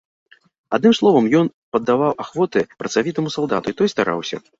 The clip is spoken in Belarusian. Адным словам, ён паддаваў ахвоты працавітаму салдату, і той стараўся.